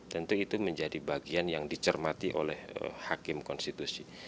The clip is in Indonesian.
tentu itu menjadi bagian yang dicermati oleh hakim konstitusi